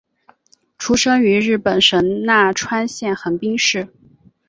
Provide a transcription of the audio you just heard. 出生于日本神奈川县横滨市。